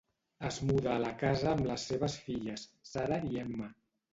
Es muda a la casa amb les seves filles, Sarah i Emma.